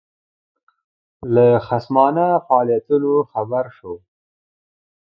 خصمانه فعالیتونو خبر شو.